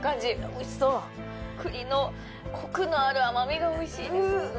おいしそう栗のコクのある甘みがおいしい